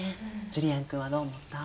ジュリアン君はどう思った？